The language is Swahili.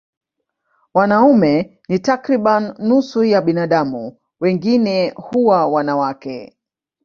Wanaume ni takriban nusu ya binadamu, wengine huwa wanawake.